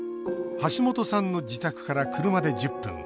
橋本さんの自宅から車で１０分。